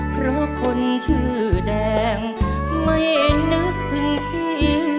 เพราะคนชื่อแดงไม่นึกถึงพี่